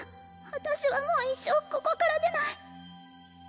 私はもう一生ここから出ない